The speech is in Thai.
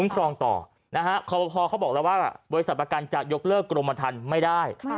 ครอบครัวเขาบอกแล้วว่าบริษัทประกันจะยกเลิกกรมทันไม่ได้